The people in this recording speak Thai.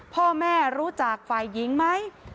พ่อแม่รู้จักไฟล์ยิงไหม